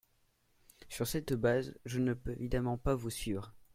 Sur cette base, je ne peux évidemment pas vous suivre.